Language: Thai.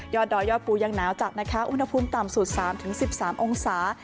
ดอยยอดภูยังหนาวจัดนะคะอุณหภูมิต่ำสุด๓๑๓องศา